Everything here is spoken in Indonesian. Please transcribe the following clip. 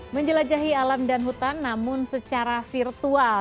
menjelajahi alam dan hutan namun secara virtual